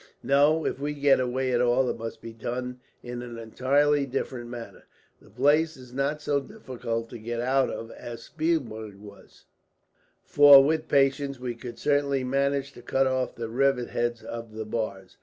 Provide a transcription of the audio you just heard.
"No, if we get away at all it must be done in an entirely different manner. The place is not so difficult to get out of as Spielberg was, for with patience we could certainly manage to cut off the rivet heads of the bars.